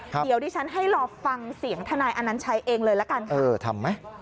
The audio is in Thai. เดี๋ยวดิฉันให้รอฟังเสียงทนายอนัญชัยเองเลยละกันค่ะ